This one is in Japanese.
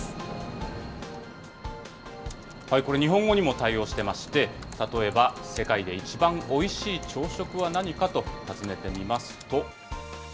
日本語にも対応してまして、例えば、世界でいちばんおいしい朝食は何かと尋ねてみますと。